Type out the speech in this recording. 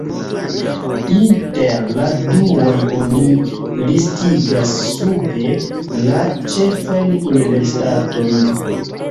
Inter la duaj oni listigas sube la ĉefajn universitatojn.